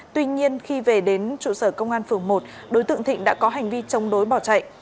tuy nhiên khi về đến trụ sở công an phường một đối tượng thịnh đã có hành vi chống đối bỏ chạy